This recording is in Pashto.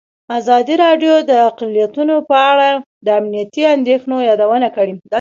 ازادي راډیو د اقلیتونه په اړه د امنیتي اندېښنو یادونه کړې.